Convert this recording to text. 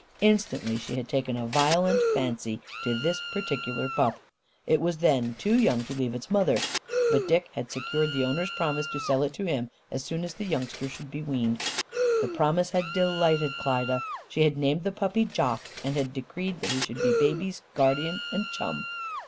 Instantly, she had taken a violent fancy to this particular pup. It was then too young to leave its mother, but Dick had secured the owner's promise to sell it to him, as soon as the youngster should be weaned. The promise had delighted Klyda. She had named the puppy Jock and had decreed that he should be Baby's guardian and chum.